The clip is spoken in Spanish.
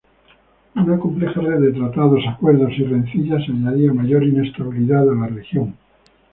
Una compleja red de tratados, acuerdos y rencillas añadía mayor inestabilidad a la región.